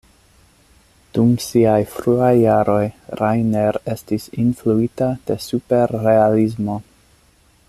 Dum siaj fruaj jaroj, Rainer estis influita de Superrealismo.